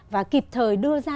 và kịp thời đưa ra